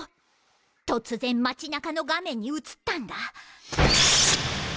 突然町中の画面に映ったんだ。